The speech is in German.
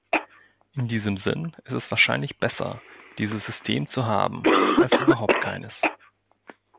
In diesem Sinn ist es wahrscheinlich besser, dieses System zu haben, als überhaupt keines.